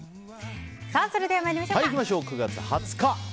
それでは参りましょう。